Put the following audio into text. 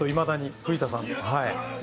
藤田さん。